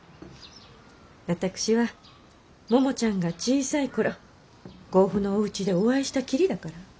私はももちゃんが小さい頃甲府のおうちでお会いしたきりだから。